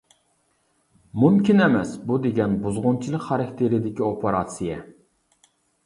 -مۇمكىن ئەمەس، بۇ دېگەن بۇزغۇنچىلىق خاراكتېرىدىكى ئوپېراتسىيە.